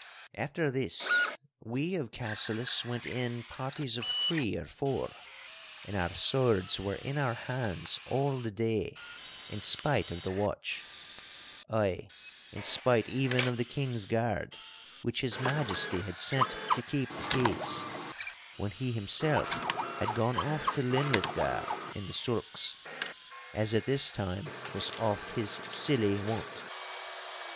After this we of Cassillis went in parties of three or four, and our swords were in our hands all the day, in spite of the watch—ay, in spite even of the King's Guard, which His Majesty had sent to keep the peace, when he himself had gone off to Linlithgow in the sulks, as at this time was oft his silly wont.